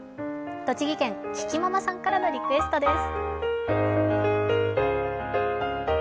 栃木県、キキママさんからのリクエストです。